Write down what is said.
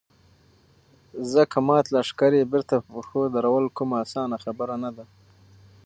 ځکه مات لښکر يې بېرته په پښو درول کومه اسانه خبره نه ده.